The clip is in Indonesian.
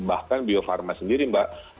bahkan bio farma sendiri mbak